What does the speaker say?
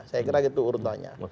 saya kira itu urutannya